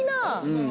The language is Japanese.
うん。